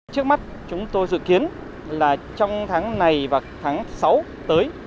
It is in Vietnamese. trước mắt chúng tôi dự kiến là trong tháng này và tháng sáu tới